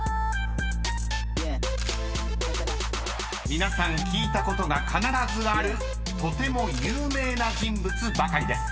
［皆さん聞いたことが必ずあるとても有名な人物ばかりです］